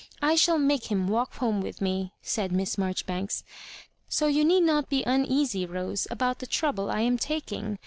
I shaH make him walk home with me," said Miss Marjoribanks, "so you need not be uneasy. Rose, about the trouble I am taking.